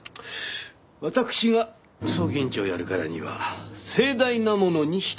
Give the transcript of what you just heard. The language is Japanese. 私が葬儀委員長をやるからには盛大なものにしてください。